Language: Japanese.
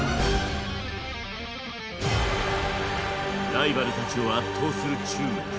ライバルたちを圧倒する中国。